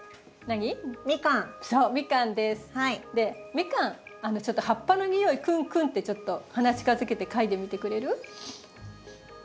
ミカンちょっと葉っぱの匂いクンクンってちょっと鼻近づけて嗅いでみてくれる？